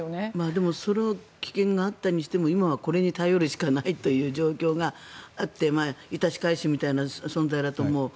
でもその危険があったにしても今はこれに頼るしかないという状況が痛しかゆしみたいな存在だと思う。